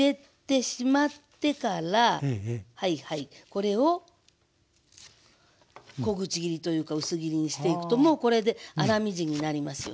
これを小口切りというか薄切りにしていくともうこれで粗みじんになりますよね。